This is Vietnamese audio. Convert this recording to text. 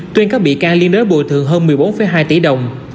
tuyên các bị can liên đối bồi thường hơn một mươi bốn hai tỷ đồng